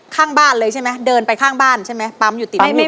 ข้างบ้านเลยใช่ไหมเดินไปข้างบ้านใช่ไหมปั๊มอยู่ติด